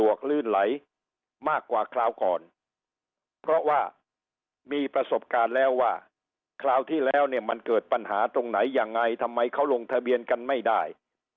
มากกว่าคราวก่อนเพราะว่ามีประสบการณ์แล้วว่าคราวที่แล้วเนี่ยมันเกิดปัญหาตรงไหนยังไงทำไมเขาลงทะเบียนกันไม่ได้